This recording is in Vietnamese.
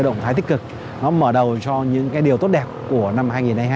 động thái tích cực nó mở đầu cho những cái điều tốt đẹp của năm hai nghìn hai mươi hai